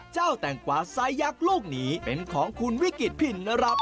เจ้าแต้งกว่าไส้ยักษ์ลูกนี้เป็นของคุณวิกฤทธิ์ผินรับ